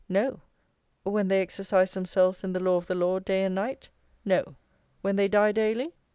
no; when they exercise themselves in the law of the Lord day and night? no; when they die daily?